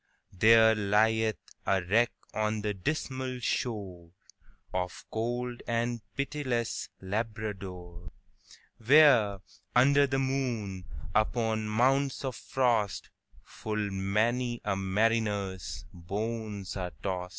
There lieth a wreck on the dismal shoreOf cold and pitiless Labrador; Where, under the moon, upon mounts of frost, Full many a mariner's bones are tost.